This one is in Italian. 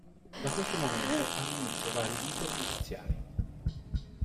Da questo momento hanno inizio vari iter giudiziari.